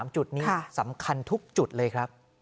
จุดนี้สำคัญทุกจุดเลยครับ